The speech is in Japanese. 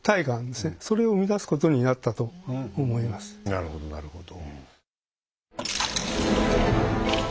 なるほどなるほど。